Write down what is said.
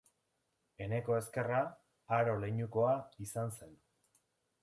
Eneko Ezkerra Haro leinukoa izan zen.